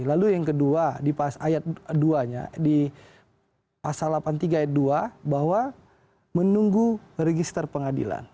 lalu yang kedua di ayat dua nya di pasal delapan puluh tiga ayat dua bahwa menunggu register pengadilan